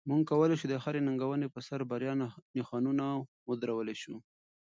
موږ کولی شو د هرې ننګونې په سر د بریا نښانونه ودرولای شو.